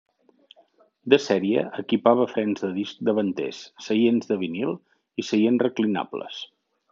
De sèrie equipava frens de disc davanters, seients de vinil i seients reclinables.